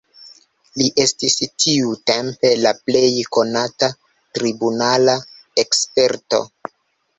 Li estis tiutempe la plej konata tribunala eksperto.